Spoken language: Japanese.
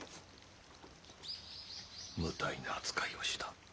無体な扱いをした。